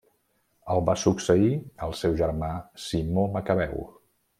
El va succeir el seu germà Simó Macabeu.